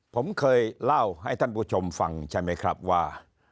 ผมเคยเล่าให้ท่านผู้ชมฟังใช่ไหมครับว่า